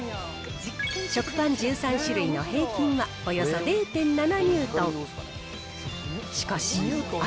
食パン１３種類の平均はおよそ０．７ニュートン。